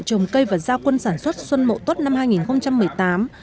phát động trồng cây và giao quân sản xuất xuân mộ tốt năm hai nghìn một mươi tám